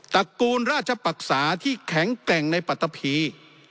ตระกูลราชปรักษาที่แข็งแกร่งในปัตตะพี